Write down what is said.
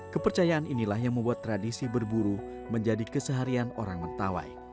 kepercayaan inilah yang membuat tradisi berburu menjadi keseharian orang mentawai